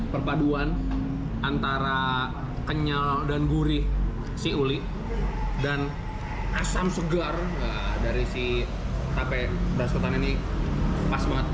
perpaduan antara kenyal dan gurih si uli dan asam segar dari si tape beras ketan ini pas banget